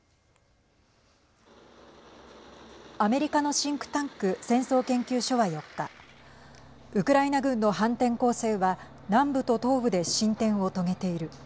アメリカのシンクタンク戦争研究所は４日ウクライナ軍の反転攻勢は南部と東部で進展を遂げている。